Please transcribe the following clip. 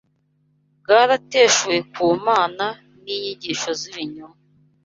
bwarateshuwe ku Mana n’inyigisho z’ibinyoma